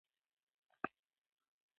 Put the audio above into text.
لیوه څنګه په ډله کې ژوند کوي؟